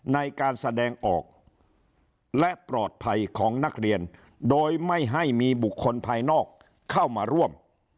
ในการแสดงออกและปลอดภัยของนักเรียนโดยไม่ให้มีบุคคลภายนอกเข้ามาร่วม